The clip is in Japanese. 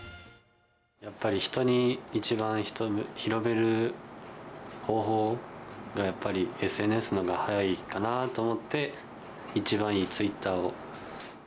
やっぱり人に一番広める方法が、やっぱりＳＮＳのが早いかなと思って、一番いいツイッターを。